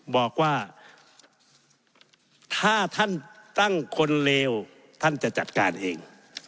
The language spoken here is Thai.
บอกว่าถ้าท่านตั้งคนเลวท่านจะจัดการเอง